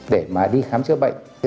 để mà đi khám chữa bệnh